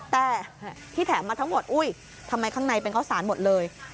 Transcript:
แต่ที่แถมมาทั้งหมดอุ้ยทำไมข้างในเป็นข้าวสารหมดเลย